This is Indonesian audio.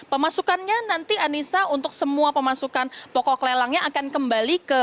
pemasukannya nanti anissa untuk semua pemasukan pokok lelangnya akan kembali ke